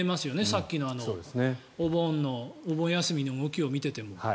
さっきのお盆休みの動きを見ていても。